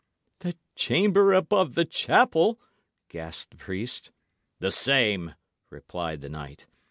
"The chamber above the chapel!" gasped the priest. "That same," replied the knight.